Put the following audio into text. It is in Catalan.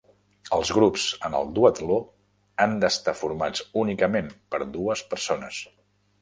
Els grups en el duatló han d'estar formats únicament per dues persones.